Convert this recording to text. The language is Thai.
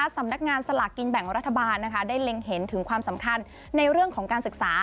สำนักงานสลากกินแบ่งรัฐบาลได้เล็งเห็นถึงความสำคัญในเรื่องของการศึกษา